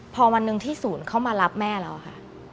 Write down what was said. พอวันหนึ่งที่ศูนย์เข้ามารับแม่เราค่ะ